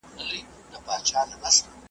په زرگونو حاضر سوي وه پوځونه